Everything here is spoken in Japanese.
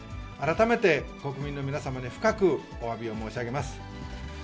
改めて国民の皆様に深くおわびを申し上げます。